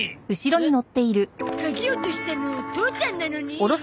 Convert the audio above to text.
鍵落としたの父ちゃんなのに。